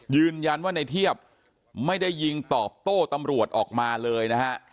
ยืนยันว่าในเทียบไม่ได้ยิงตอบโต้ตำรวจออกมาเลยนะฮะ